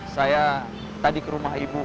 saya tadi ke rumah ibu